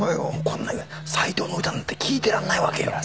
こんな斎藤の歌なんて聴いてらんないわけよ